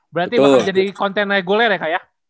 berarti bakal jadi konten reguler ya kak ya